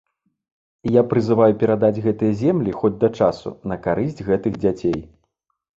Я прызываю перадаць гэтыя землі, хоць да часу, на карысць гэтых дзяцей.